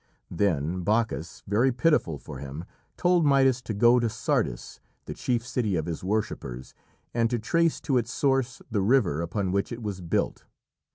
Then Bacchus, very pitiful for him, told Midas to go to Sardis, the chief city of his worshippers, and to trace to its source the river upon which it was built.